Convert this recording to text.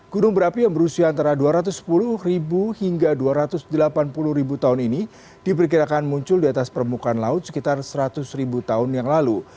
gunung berapi yang berusia antara dua ratus sepuluh hingga dua ratus delapan puluh tahun ini diperkirakan muncul di atas permukaan laut sekitar seratus ribu tahun yang lalu